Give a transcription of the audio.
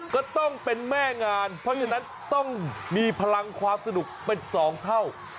ก็ต้องเป็นแม่งานเพราะฉะนั้นต้องมีพลังความสนุกเป็น๒เท่า